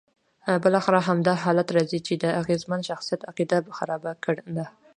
بالاخره همدا حالت راځي چې د اغېزمن شخص عقیده خرابه ده.